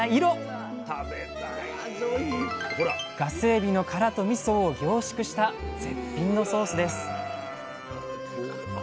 ガスエビの殻とみそを凝縮した絶品のソースです